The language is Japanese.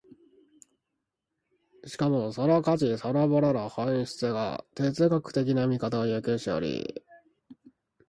しかも価値そのものの本質が哲学的な見方を要求しており、